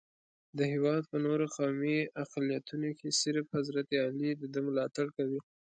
د هېواد په نورو قومي اقلیتونو کې صرف حضرت علي دده ملاتړ کوي.